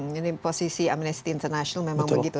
jadi posisi amnesty international memang begitu